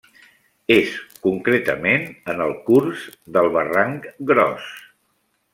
És, concretament, en el curs del barranc Gros.